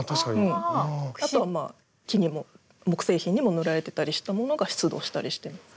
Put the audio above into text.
あとは木にも木製品にも塗られてたりしたものが出土したりしてます。